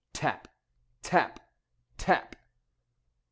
Tap! Tap! Tap!